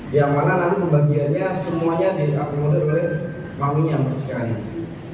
yang mana nanti pembagiannya semuanya diakomodir oleh maminya sekarang ini